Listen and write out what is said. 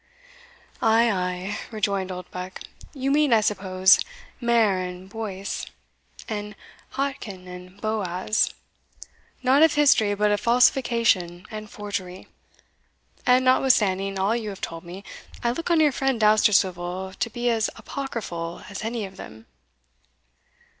"Ay, ay," rejoined Oldbuck, "you mean, I suppose, Mair and Boece, the Jachin and Boaz, not of history but of falsification and forgery. And notwithstanding all you have told me, I look on your friend Dousterswivel to be as apocryphal as any of them."